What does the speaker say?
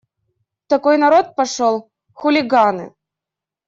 Такой народ пошел… хулиганы.